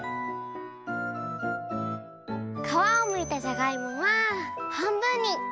かわをむいたじゃがいもははんぶんに。